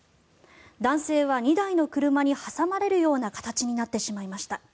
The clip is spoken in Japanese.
男性は２台の車に挟まれるような形になってしまいました。